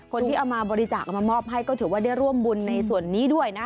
คนที่เอามาบริจาคเอามามอบให้ก็ถือว่าได้ร่วมบุญในส่วนนี้ด้วยนะ